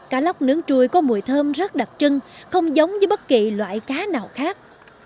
cá lóc nướng chui có mùi thơm rất đặc trưng không giống với bất kỳ loại cá nào khác